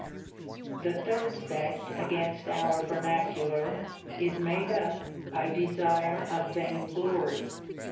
The third sect against our vernacular is made iii. up by desire of vainglory.